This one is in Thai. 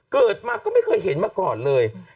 เกิดมาก็ไม่เคยเห็นมาก่อนเลย